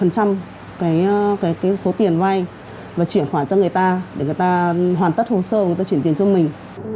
cái số tiền vay và chuyển khoản cho người ta để người ta hoàn tất hồ sơ người ta chuyển tiền cho mình